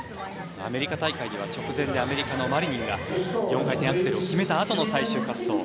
アメリカ大会では直前でアメリカのマリニンが４回転アクセルを決めたあとの最終滑走。